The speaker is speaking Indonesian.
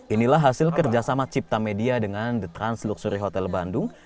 inilah hasil kerjasama cipta media dengan the trans luxury hotel bandung